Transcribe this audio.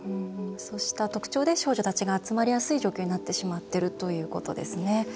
そうした特徴で少女たちが集まりやすい状況になってしまっているということですね。